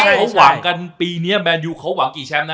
อ๋อพระรับเขาหวังกันปีนี้แบนด์ยูเขาหวังกี่แชมพ์นะ